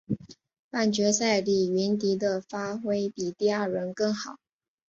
半决赛李云迪的发挥比第二轮更好。